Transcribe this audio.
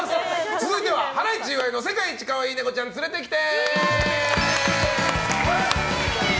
続いては、ハライチ岩井の世界一かわいいネコちゃん連れてきて！